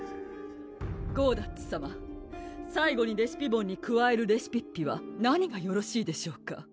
ゴーダッツさま最後にレシピボンにくわえるレシピッピは何がよろしいでしょうか？